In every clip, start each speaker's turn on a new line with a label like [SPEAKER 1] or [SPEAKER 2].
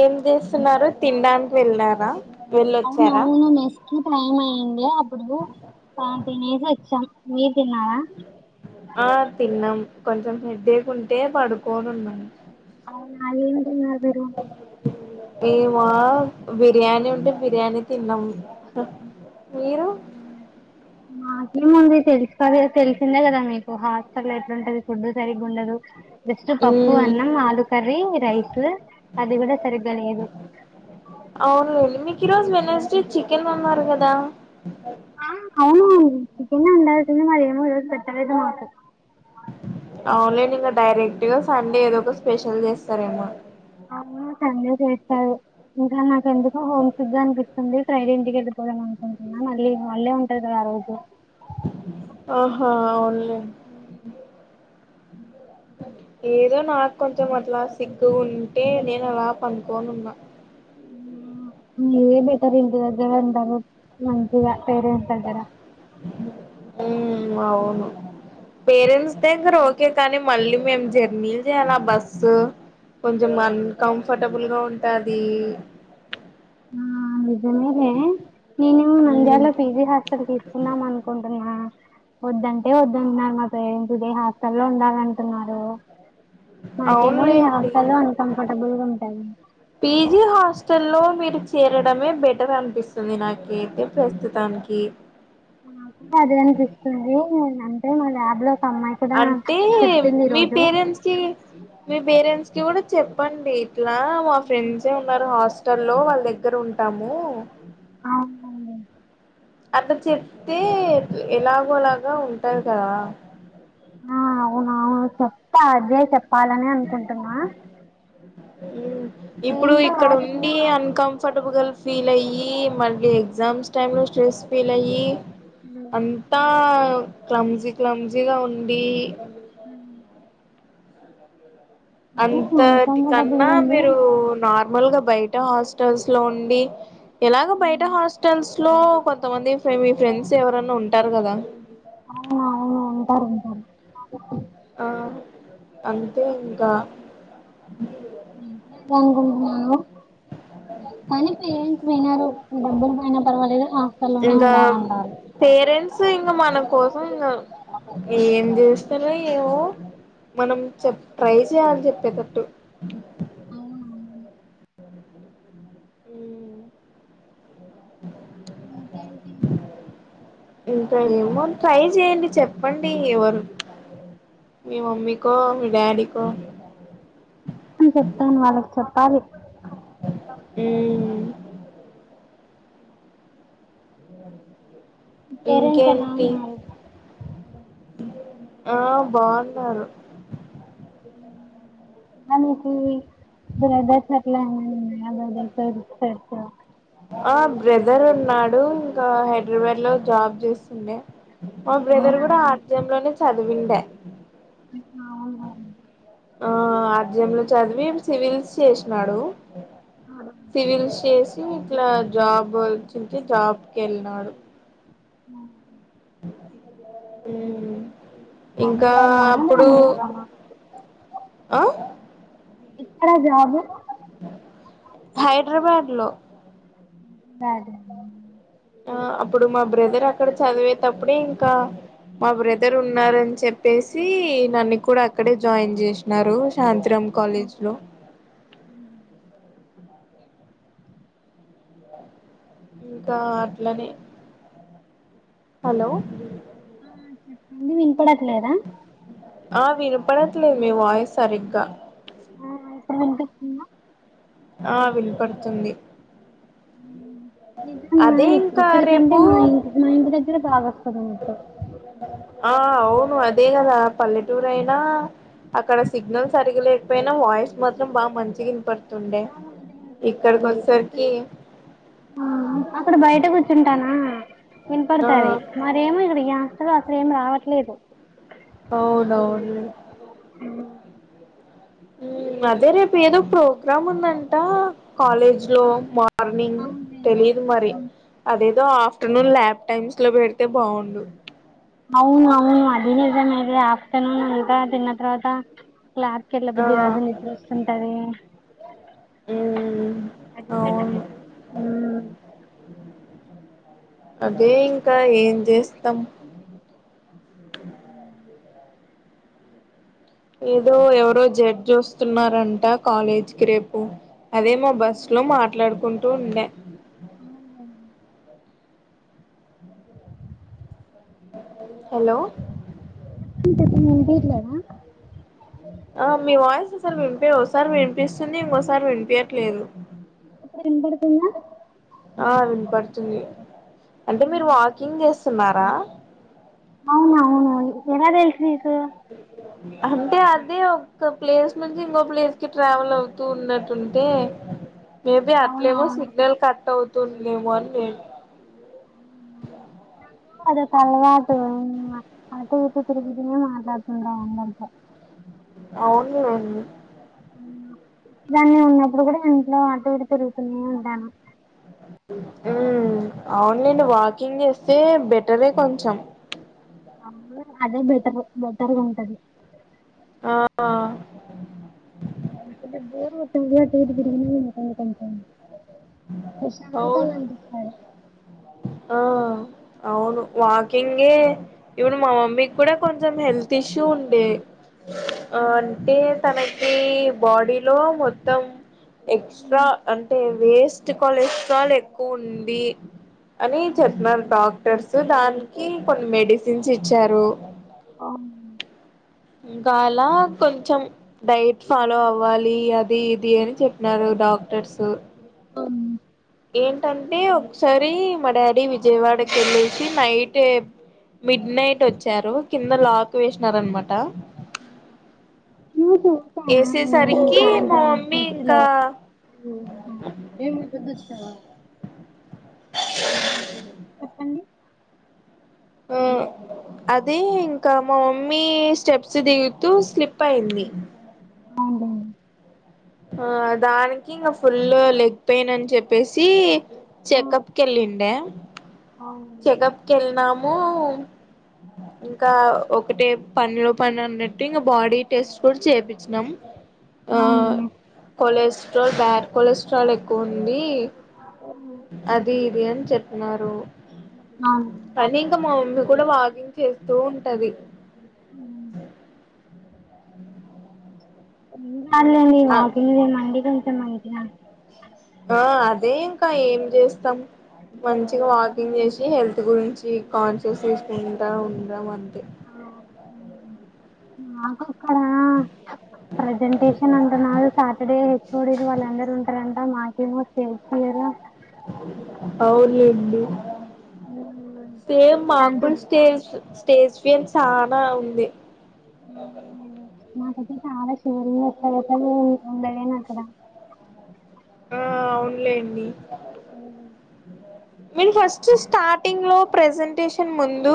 [SPEAKER 1] ఏం చేస్తున్నారు తినడానికి వెళ్లారా
[SPEAKER 2] అవునవును టైమ్ అయింది అప్పుడు తినేసి వచ్చాం మీరు తిన్నార
[SPEAKER 1] ఆ తిన్నాం కొంచెం హెడేక్కుంటే పడుకోని ఉన్నాను
[SPEAKER 2] అవునా ఏనుద అదారు [unintelligible]
[SPEAKER 1] మెమ బిర్యానీ ఉంటే బిర్యానీ తిన్నాము మీరు
[SPEAKER 2] మాకేముంది తెలుస్తది కద తెలిసిందే కదా మీకు హాస్టల్ ఎట్లుంటది ఫుడ్ సరిగ్గా ఉండదు జస్ట్ పప్పు
[SPEAKER 1] మ్మ్
[SPEAKER 2] అన్నం ఆలు కర్రీ రైస్ అది కూడా సరిగ్గా లేదు
[SPEAKER 1] అవునులేండి మీకు ఈ రోజు వెనెస్డే చికెన్ అన్నారు కదా
[SPEAKER 2] ఆ అవునండి చికెన్ ఉండాల్సింది మరి ఏమో ఈరోజు పెట్టలేదు మాకు
[SPEAKER 1] అవునులెండి ఇంకా డైరెక్ట్ గా సండే ఏదో ఒక స్పెషల్ చేస్తారేమో
[SPEAKER 2] అవును సండే చేస్తారు ఇంకా నాకెందుకో హోమిసిక్గా అనిపించింది స్తుంది ఫ్రైడే ఇంటికి వెళ్ళిపోదాం అనుకుంటున్నా మళ్ళి హాలిడే ఉంటది కదా ఆ రోజు
[SPEAKER 1] ఒహా అవునూలెండి ఏదో నాకు కొంచెం అట్లా సిక్ ఉంటే నేను అలా పడుకోను ఉన్నా
[SPEAKER 2] ఇే బేటర్ ఇల్ది జవ మంచించిగా పేరెంట్స్ దగ్గర [unintelligible]
[SPEAKER 1] ఉ అవును పేరెంట్స్ దగ్గర ఓకే కానీ మళ్ళీ మేం జర్నీలు చేయాల బస్సుకు కొంచెం అన్ కంఫర్టబుల్గా ఉంటది
[SPEAKER 2] ఆ నిజమే
[SPEAKER 1] ఆ
[SPEAKER 2] నంద్యలో పిజీ హాస్టల్ తిస్కున్నాం అనుకుంటున్నామ్ వద్దంటే వద్దంటున్నారు మా పేరెంట్స్ ఇదే హాస్టల్లో ఉండాలంటున్నారు మాకేమో ఈ
[SPEAKER 1] అవునులేండి
[SPEAKER 2] హస్టల్లో అన్కంఫర్టబుల్గా ఉంటది
[SPEAKER 1] పీజీ హాస్టల్లో మీరు చేరడమే బెటర్ అనిపిస్తుంది నాకైతే ప్రస్తుతానికి
[SPEAKER 2] నాకు అదే అనిపిస్తుంది అంటే మా ల్యాబ్లో ఒక అమ్మాయి కూడా
[SPEAKER 1] అంటే
[SPEAKER 2] చెప్పింది ఈ
[SPEAKER 1] మీ
[SPEAKER 2] రోజు
[SPEAKER 1] పేరెంట్స్కి మీ పేరెంట్స్ కి కూడా చెప్పండి ఇట్లా మా ఫ్రెండ్స్ ఉంటారు హాస్టలో వాళ్ళ దగ్గర ఉంటాము
[SPEAKER 2] అవునండి
[SPEAKER 1] అట్లా చెప్తే ఎలాగోలాగా ఉంటారు కదా
[SPEAKER 2] ఆ అవునువును చెప్తా అదే చెప్పాలని అనుకుంటున్నా.
[SPEAKER 1] ఇప్పుడు
[SPEAKER 2] ఏంటో
[SPEAKER 1] ఇక్కడ
[SPEAKER 2] వాళ్ళు
[SPEAKER 1] ఉండి అన్కం కంఫర్టబుల్గా ఫీల్ అయ్యి మళ్ళీ ఎగ్జామ్స్ టైమ్ లో స్ట్రెస్ ఫీల్ అయ్యి అంతా క్లమ్జీ క్లంజీగా ఉండి
[SPEAKER 2] అ
[SPEAKER 1] అంతటి కన్నా
[SPEAKER 2] అన్కంఫర్టబుల్గా ఉంది
[SPEAKER 1] మీరు నార్మల్గా బయట హాస్టల్స్ లో ఉండి ఎలాగ బయట హాస్టల్స్ లో కొంతమంది మీ మీఫ్రెండ్స్ ఎవరన్నా ఉంటారు కదా.
[SPEAKER 2] అవునా అవును ఉంటారు ఉంటారు.
[SPEAKER 1] ఆ అంతే ఇంకా
[SPEAKER 2] పూగుంన్నారూ కానీ పనీ ఏం వినరూ డబ్బులకైన పయినా పర్వాలేదు ఆ
[SPEAKER 1] ఇంగా పేరెంట్స్ ఇంగ మన కోసం ఇంగ ఏం చేస్తారో ఏమో మనం చెప్ ట్రై చేయాలని చెప్పేటట్టు
[SPEAKER 2] అవును అవును
[SPEAKER 1] ఉము ఇంకా ఏమో ట్రై చేయండి. చెప్పండి ఎవరు మీ మమ్మీకో మీ డాడీకో
[SPEAKER 2] అని చెప్తాము వాళ్ళకి చెప్పాలి
[SPEAKER 1] ఉమ్ము
[SPEAKER 2] పేరెంట్స్ ఎలా
[SPEAKER 1] ఇంకేంటి
[SPEAKER 2] ఉన్నారు
[SPEAKER 1] ఆ బాగున్నారు
[SPEAKER 2] [unintelligible]
[SPEAKER 1] ఆ బ్రదర్ ఉన్నాడు. ఇంకా హైదరాబాద్ లో జాబ్ చేస్తుండే మా బ్రదర్ కూడా ఆర్ద్యంలోనే చదివండే
[SPEAKER 2] అవును
[SPEAKER 1] ఆ అర్జం లో చదివి సివిల్స్ చేసినాడు సివిల్స్ చేసి ఇట్లా జాబ్ వచ్చి జాబ్కి వెళ్ళినడు
[SPEAKER 2] ఉ హు
[SPEAKER 1] హమ్ ఇంకా
[SPEAKER 2] లోనా
[SPEAKER 1] అప్పుడు
[SPEAKER 2] బెంగళూరు లోనా
[SPEAKER 1] ఆ
[SPEAKER 2] ఇక్కడ జాబు
[SPEAKER 1] హైడ్రాబాడ్ లో
[SPEAKER 2] [unintelligible]
[SPEAKER 1] ఆ అప్పుడు మా బ్రదర్ అక్కడ చదివేతప్పుడే ఇంకా, మా బ్రదర్ ఉన్నారని చెప్పేసి నన్ను కూడా అక్కడే జాయిన్ చేసినారు. సాయంత్రం కాలేజ్లో ఇంకా అట్లనే హలో
[SPEAKER 2] చెప్పంంది వినపడట్లేదా
[SPEAKER 1] ఆ వినపడట్లేదు మీ వాయిస్ సరిగ్గా
[SPEAKER 2] అవును నా ఇప్పుడు వినిపిస్తుందా,
[SPEAKER 1] ఆ వినపడుతుంది.
[SPEAKER 2] నిజంగా
[SPEAKER 1] అదే ఇంకా
[SPEAKER 2] ఇక్కడికంటే మా
[SPEAKER 1] రేపు
[SPEAKER 2] ఇంటి మా ఇంటి దగ్గర బాగా వస్తుంది అన్నట్టు
[SPEAKER 1] ఆ అవును అదే కదా పల్లెటూరు అయినా అక్కడ సిగ్నల్స్ సరిగలేకపోయినా వాయిస్ మాత్రం బాగా మంచిగా వినపడుతుంది ఉండే ఇక్కడికి
[SPEAKER 2] అది
[SPEAKER 1] వచ్చేసరికి
[SPEAKER 2] అక్కడ బయట కూర్చుంటానా
[SPEAKER 1] ఆ
[SPEAKER 2] వినపడుతాది మరేమో ఇక్కడ ఈ ఆస్తలో అసలేమి రావట్లేదు
[SPEAKER 1] అవునవునులే
[SPEAKER 2] మ్మ్
[SPEAKER 1] అదే రేపు ఏదో ప్రోగ్రాం ఉందంట కాలేజ్ లో మార్నింగ్
[SPEAKER 2] అవునులేండి
[SPEAKER 1] తెలీదు మరి అదేదో ఆఫ్టర్నూన్ ల్యాబ్ టైమ్స్ లో పెడితే బాగుండు
[SPEAKER 2] అవును అవును అది నిజమే ఆఫ్టర్నూన్ ఉంట తిన్న తర్వాత క్లాస్ కి
[SPEAKER 1] ఆ
[SPEAKER 2] వెళ్ళబుద్ధి కాదు నిద్ర వస్తుంటది
[SPEAKER 1] మ్మ్
[SPEAKER 2] మ్మ్
[SPEAKER 1] అదే ఇంకా ఏం చేస్తాం ఏదో ఎవరో జడ్జ్ వస్తున్నారంట కాలేజ్ కి రేపు అదే మా బస్సు లో మాట్లాడుకుంటూ ఉండే
[SPEAKER 2] [inaudible]
[SPEAKER 1] హలో
[SPEAKER 2] మేం చెప్పింది వినిపియట్లేదా
[SPEAKER 1] ఆ మీ వాయిస్ ఒకసారి వినిప ఒకసారి వినిపిస్తుంది ఇంకోసారి వినిపీయట్లేదు
[SPEAKER 2] ఇప్పుడు వినపడుతుందా
[SPEAKER 1] ఆ వినపడుతుంది అంటే మీరు వాకింగ్ చేస్తున్నారా
[SPEAKER 2] అవునవును ఎలా తెలుసు నీకు
[SPEAKER 1] అంటే అదే ఒక ప్లేస్ నుంచి ఇంకో ప్లేస్ కి ట్రావెల్ అవుతూ ఉన్నట్టుంటే మేబీ అట్లేమో
[SPEAKER 2] అవునవును
[SPEAKER 1] సిగ్నల్ కట్ అవుతుంది ఏమో అని నేను
[SPEAKER 2] అదే ఒక అలవాటు అటు ఇటు తిరుగుతు మాట్లాడుతుంటా అందరితో
[SPEAKER 1] అవునులేండి
[SPEAKER 2] దాన్ని ఉన్నప్పుడు కూడా ఇంట్లో ఆటు ఇటు తిరుగుతూనే ఉంటాను
[SPEAKER 1] మ్మ్ అవునులేండి వాకింగ్ చేస్తే బెటరే కొంచెం
[SPEAKER 2] అదే బెటర్ బెటర్గా ఉంటది
[SPEAKER 1] ఆ అ
[SPEAKER 2] [inaudible] బోర్ కొట్టినప్పుడు అటు ఇటు తిరుగు [inaudible] ప్రశాంతంగా
[SPEAKER 1] అవును
[SPEAKER 2] అనిపిస్తది
[SPEAKER 1] ఆ అవును వాకింగే ఈవెన్ మా మమ్మీకి కూడా కొంచెం హెల్త్ ఇష్యూ ఉండే అంటే తనకి బాడీలో మొత్తం ఎక్స్ట్రా అంటే వేస్ట్ కొలెస్ట్రాల్ ఎక్కువ ఉంది అని చెప్పినారు డాక్టర్స్ దానికి కొన్ని మెడిసిన్స్ ఇచ్చారు
[SPEAKER 2] ఓహ్
[SPEAKER 1] ఇంక అలా కొంచెం డైట్ ఫాలో అవ్వాలి అది ఇది అని చెప్పినారు డాక్టర్సు
[SPEAKER 2] అవును
[SPEAKER 1] ఏంటంటే ఒకసారి మా డాడీ విజయవాడకి వెళ్ళేసి నైటే మిడ్ నైట్ వచ్చారు కింద లాక్ వేసినారనమాట
[SPEAKER 2] న్యూస్ చూసానా నేను
[SPEAKER 1] వేసేసరికి మా మమ్మీ ఇంకా
[SPEAKER 2] ఏమి ఇబ్బంది వచ్చిన చెప్పండి
[SPEAKER 1] ఆ అదే ఇంకా మా మమ్మీ స్టెప్స్ దిగుతూ స్లిప్ అయింది
[SPEAKER 2] అవునవును
[SPEAKER 1] ఆ దానికి ఇంకా ఫుల్ లెగ్ పెయిన్ అని చెప్పేసి చెకప్ కి వెళ్ళిండే చెకప్ కి వెళ్ళినాము ఇంకా ఒకటే పనిలో పని అన్నట్టు ఇంకా బాడీ టెస్ట్ కూడా చేపిచ్చినాం ఆ
[SPEAKER 2] అవునులే
[SPEAKER 1] కొలెస్ట్రాల్ బ్యాడ్ కొలెస్ట్రాల్ ఎక్కువ ఉంది
[SPEAKER 2] ఆహ
[SPEAKER 1] అది ఇది అని చెప్పినారు
[SPEAKER 2] ఆ
[SPEAKER 1] కానీ ఇంకా మా మమ్మీ కూడా వాకింగ్ చేస్తూ ఉంటుంది
[SPEAKER 2] ర్లేండి
[SPEAKER 1] ఆ
[SPEAKER 2] వాకింగ్ చేయమండి కొంచెం మంచిగా
[SPEAKER 1] ఆ అదే ఇంకా ఏం చేస్తాం మంచిగా వాకింగ్ చేసి హెల్త్ గురించి కాన్షియస్నెస్ ఉంట ఉండం అంతే
[SPEAKER 2] ఆ మాకక్కడా ప్రజెంటేషన్ అంటున్నారు సాటర్డే హెచ్ ఓడీలు వాళ్ళందరు ఉంటారంట మాకేమో స్టే
[SPEAKER 1] అవును లేండి సేమ్
[SPEAKER 2] ఇలాంటి
[SPEAKER 1] మాకు స్టేజ్ స్టేజ్ ఫీయన్ షానా ఉంది
[SPEAKER 2] అవు నాకయితే చాలా శివరింగ్ వస్తది ఒక్కదాన్ని ఉండలేను అక్కడ
[SPEAKER 1] ఆ అవునులేండి మీరు ఫస్ట్ స్టార్టింగ్ లో ప్రజెంటేషన్ ముందు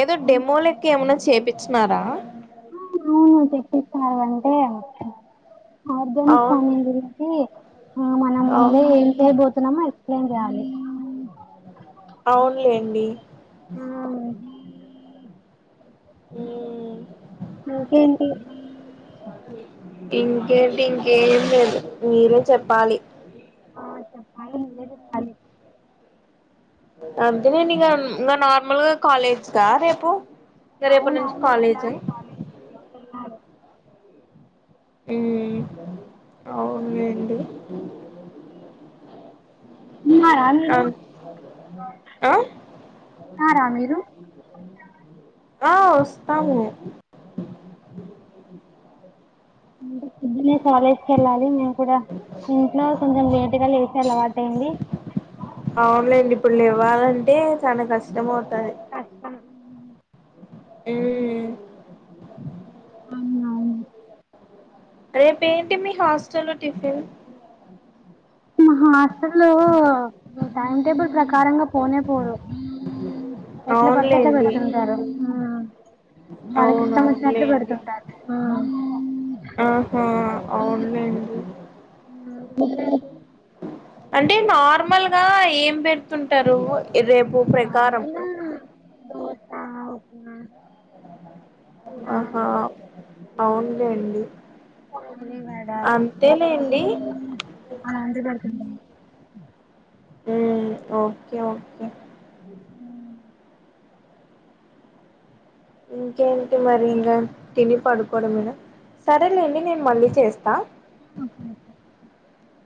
[SPEAKER 1] ఏదో డెమో లెక్క ఏమన్నా చేపించీన్నారా
[SPEAKER 2] అవును చెపిచ్చారు అంటే ఆర్గానిక్
[SPEAKER 1] అవును
[SPEAKER 2] ఫామింగ్ గురించి ఆ మనం
[SPEAKER 1] అవు
[SPEAKER 2] ముందే ఏం చేయబోతున్నామో ఏం చేయాలి
[SPEAKER 1] అవునులేండి
[SPEAKER 2] ఆ
[SPEAKER 1] మ్మ్
[SPEAKER 2] ఇంకేంటి
[SPEAKER 1] ఇంకేంటి ఇంకేం లేదు మీరే చెప్పాలి
[SPEAKER 2] చెప్పాలి మీరే చెప్పాలి
[SPEAKER 1] అంతే నేను ఇక ఇంకా నార్మల్గా కాలేజ్గా రేపు ఇంగ రేపటి
[SPEAKER 2] అవును
[SPEAKER 1] నుంచి
[SPEAKER 2] అవును
[SPEAKER 1] కాలేజ్
[SPEAKER 2] వెళ్ళాలి కాలేజ్ కి వెళ్
[SPEAKER 1] ఉ అవునులెండీ
[SPEAKER 2] తిన్నా రా మీరు
[SPEAKER 1] అన్ ఆ
[SPEAKER 2] తిన్నా రా మీరు
[SPEAKER 1] ఆ వస్తాము
[SPEAKER 2] పొద్దున్నే కాలేజీకి వెళ్ళాలి ఇప్పుడు ఇంట్లో కొంచెం లేటుగా లేచే అలవాటు అయింది
[SPEAKER 1] అవునలేండి ఇప్పుడు లేవ్వాలంటే చాలా కష్టం
[SPEAKER 2] కొంచెం
[SPEAKER 1] అవుతది
[SPEAKER 2] కష్టం
[SPEAKER 1] ఉ
[SPEAKER 2] అవునవును.
[SPEAKER 1] రేపు ఏంటి మీ హాస్టల్లో టిఫిన్
[SPEAKER 2] మా హాస్ట లో టైమ్ టేబుల్ ప్రకారంగా పోనే పోడు ఎట్లా పడితే అట్లా
[SPEAKER 1] అవునులేండి
[SPEAKER 2] పెడుతుంటారు వాళ్ళకి ఇష్టం వచ్చినట్లు
[SPEAKER 1] అవునవునులేండి
[SPEAKER 2] పెడుతుంటారు
[SPEAKER 1] ఆహా అవును లేండి అంటే నార్మల్గా ఏం పెడుతుంటారు రేపు ప్రకారం ఆహా అవును లేండి
[SPEAKER 2] వాేడా అంత బడుతు [unintelligible]
[SPEAKER 1] ఉం ఓకే ఓకే ఇంకేంటి మరి ఇంగా తిని పడుకోవడమేన్నా సరేలేండి నేను మళ్ళీ చేస్తా
[SPEAKER 2] [inaudible]